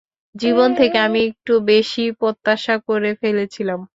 জীবন থেকে আমি একটু বেশিই প্রত্যাশা করে ফেলেছিলাম।